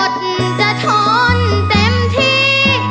จะทนเต็มที่